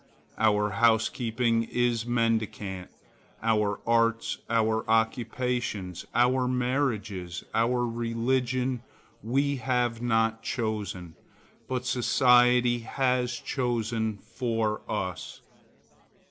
Our housekeeping is mendicant, our arts, our occupations, our marriages, our religion we have not chosen, but society has chosen for us.